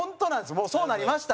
もう、そうなりました。